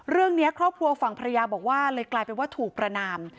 เรื่องนี้ครอบครัวฝั่งภรรยาบอกว่าเลยกลายเป็นว่าถูกประนาม